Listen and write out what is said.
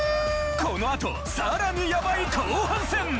このあとさらにヤバい後半戦！